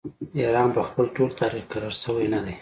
ایران په خپل ټول تاریخ کې کرار شوی نه دی.